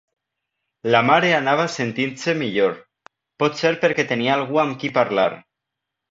La mare anava sentint-se millor, potser perquè tenia algú amb qui parlar.